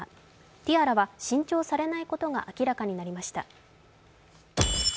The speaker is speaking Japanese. ティアラは新調されないことが明らかになりました。